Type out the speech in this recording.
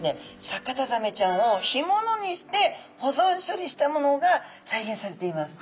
サカタザメちゃんを干物にして保存処理したものが再現されています。